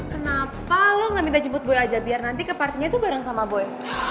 kenapa lo ga minta jemput boy aja biar nanti ke partinya tuh bareng sama boy